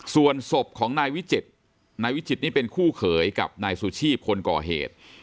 ส่วนศพของนายวิจิตรนายวิจิตนี่เป็นคู่เขยกับนายสุชีพคนก่อเหตุ